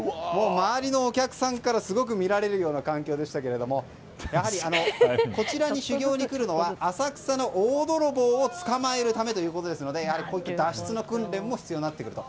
周りのお客さんから見られるような環境でしたがこちらに修業に来るのは浅草の大泥棒を捕まえるためということですのでやはり脱出の訓練も必要になってくると。